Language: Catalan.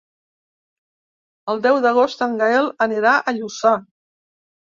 El deu d'agost en Gaël anirà a Lluçà.